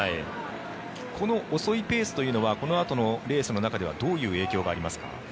この遅いペースというのはこのあとのレースの中ではどういう影響がありますか？